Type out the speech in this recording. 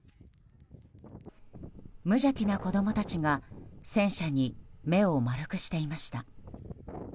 無邪気な子供たちが戦車に目を丸くしていました。